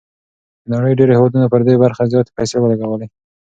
د نړۍ ډېرو هېوادونو پر دې برخه زياتې پيسې ولګولې.